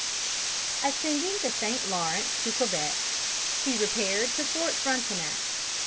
Ascending the St. Lawrence to Quebec, he repaired to Fort Frontenac.